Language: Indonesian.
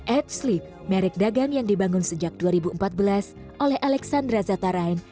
ad sleep merek dagang yang dibangun sejak dua ribu empat belas oleh alexandra zatarain